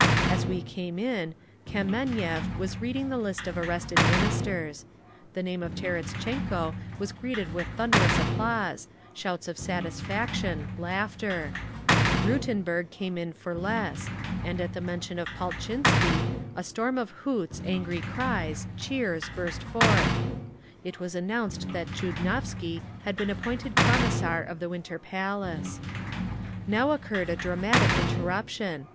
As we came in, Kameniev was reading the list of arrested Ministers. The name of Terestchenko was greeted with thunderous applause, shouts of satisfaction, laughter; Rutenburg came in for less; and at the mention of Paltchinsky, a storm of hoots, angry cries, cheers burst forth…. It was announced that Tchudnovsky had been appointed Commissar of the Winter Palace. Now occurred a dramatic interruption.